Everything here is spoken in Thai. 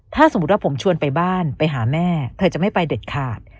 ถ้าสมมุติว่าผมชวนไปบ้านไปหาแม่เธอจะไม่ไปเด็ดขาด